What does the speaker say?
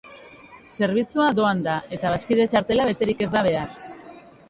Zerbitzua doan da, eta bazkide-txartela besterik ez da behar.